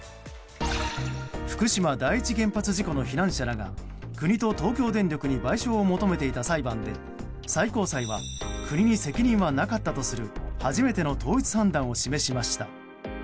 福島第一原発事故の避難者らが国と東京電力に賠償を求めていた裁判で最高裁は国に責任はなかったとする初めての統一判断を示しました。